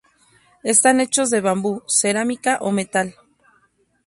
Están hechos de bambú, cerámica o metal.